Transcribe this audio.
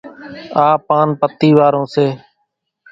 آ پانَ پتِي وارون سي۔